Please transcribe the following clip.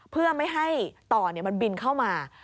เพื่อไม่ให้ต่อมันบินเข้ามา